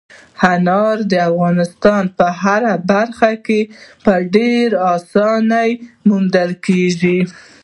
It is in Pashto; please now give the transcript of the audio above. انار د افغانستان په هره برخه کې په ډېرې اسانۍ موندل کېږي.